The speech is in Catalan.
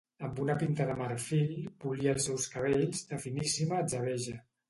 Amb una pinta de marfil polia els seus cabells de finíssima atzabeja.